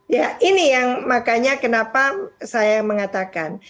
ya ini yang makanya kenapa saya mengatakan